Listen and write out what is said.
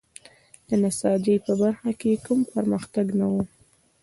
د نساجۍ په برخه کې کوم پرمختګ نه و.